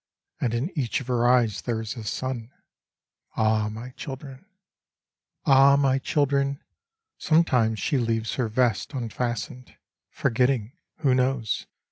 And in each of her eyes there is a sun. Ah I my children I Ah I my children I sometimes she leaves her vest unfastened, Forgetting — who knows